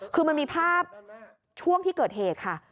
คือมันมีภาพช่วงที่เกิดเหตุค่ะ